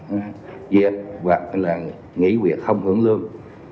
hoãn việc hoặc nghỉ việc không hưởng lương